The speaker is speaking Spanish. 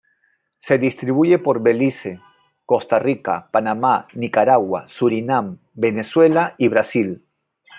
Se distribuye por Belice, Costa Rica, Panamá, Nicaragua, Surinam, Venezuela y Brasil.